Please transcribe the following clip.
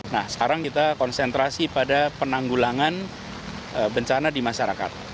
nah sekarang kita konsentrasi pada penanggulangan bencana di masyarakat